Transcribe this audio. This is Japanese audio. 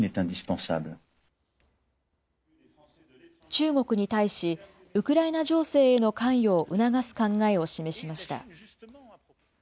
中国に対し、ウクライナ情勢への関与を促す考えを示しました。